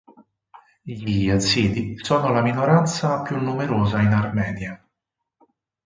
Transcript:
Gli yazidi sono la minoranza più numerosa in Armenia.